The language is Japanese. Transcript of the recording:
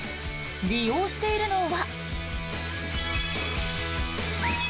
利用しているのは。